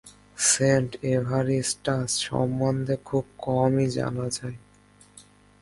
Saint Evaristus সম্বন্ধে খুব কমই জানা যায়।